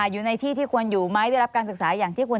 อยู่ในที่ที่ควรอยู่ไหมได้รับการศึกษาอย่างที่ควร